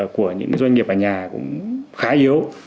của những doanh nghiệp ở nhà cũng khá yếu